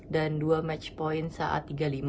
dan dua match point saat tiga lima